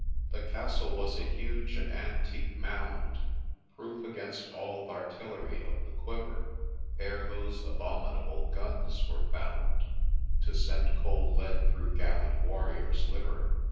The Castle was a huge and antique mound, Proof against all th' artillery of the quiver, Ere those abominable guns were found, To send cold lead through gallant warrior's liver.